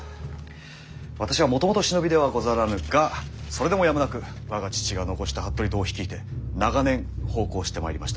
私はもともと忍びではござらぬがそれでもやむなく我が父が残した服部党を率いて長年奉公をしてまいりました。